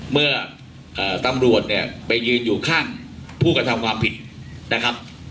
เมื่อตำรวจเนี่ยไปยืนอยู่ข้างผู้กระทำความผิดนะครับ